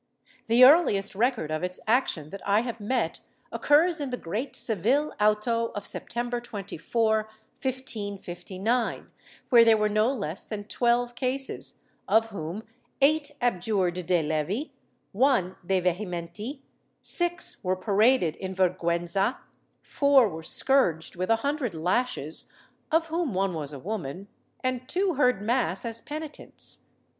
The earliest record of its action that I have met occurs in the great Seville auto of September 24, 1559, where there were no less than twelve cases, of whom eight abjured de levi, one de vehementi, six were paraded in vergiienza, four were scourged with a hundred lashes (of whom one was a woman) and two heard mass as penitents.